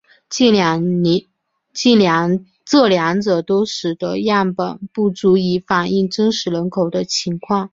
这两者都使得样本不足以反映真实人口的情况。